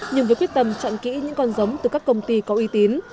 nhưng với quyết tâm chọn kỹ những con giống từ các công ty có uy tín